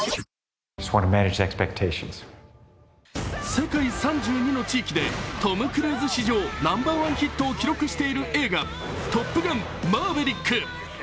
世界３２の地域でトム・クルーズ史上ナンバーワンヒットを記録している映画「トップガンマーヴェリック」